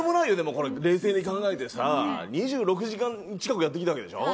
これ冷静に考えてさ２６時間近くやってきたわけでしょ。